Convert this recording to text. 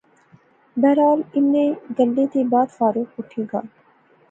بہرحال انیں گلیں تھی بعد فاروق اُٹھی گا